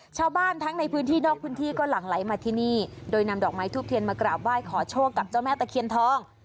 ชาวบ้านทั้งในพื้นที่นอกพื้นที่ก็หลั่งไหลมาที่นี่โดยนำดอกไม้ทูบเทียนมากราบไหว้ขอโชคกับเจ้าแม่ตะเคียนทอง